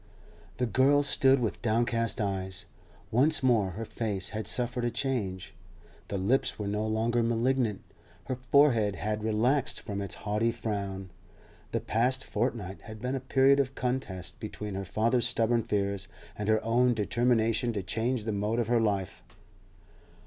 The girl stood with downcast eyes. Once more her face had suffered a change; the lips were no longer malignant, her forehead had relaxed from its haughty frown. The past fortnight had been a period of contest between her father's stubborn fears and her own determination to change the mode of her life.